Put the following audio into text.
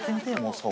そう。